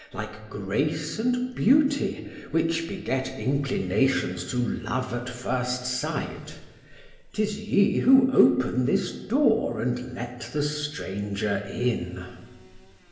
like grace and beauty, which beget inclinations to love at first sight: 'tis ye who open this door and let the stranger in.